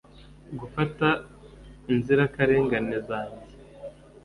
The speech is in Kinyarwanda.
gufata inzirakarengane zanjye